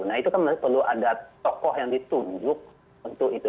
nah itu kan perlu ada tokoh yang ditunjuk untuk itu